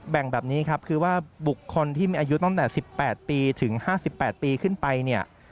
แบ่งแบบนี้ครับคือว่าบุคคลที่มีอายุตั้งแต่๑๘ปีถึง๕๘ปีขึ้นไปเนี่ย